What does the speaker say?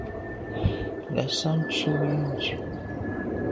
Ngassam ntshob yi ndù.